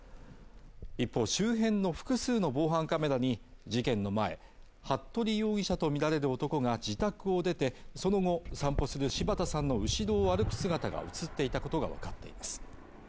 一方周辺の複数の防犯カメラに、事件の前、服部容疑者とみられる男が自宅を出て、その後散歩する柴田さんの後ろを歩く姿が映っていたことがわかっています。